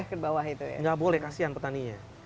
ke bawah itu ya nggak boleh kasihan petaninya